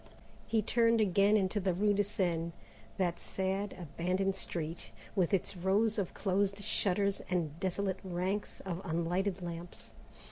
He turned again into the rue de Seine, that sad abandoned street, with its rows of closed shutters and desolate ranks of unlighted lamps.